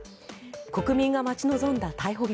国民が待ち望んだ逮捕劇。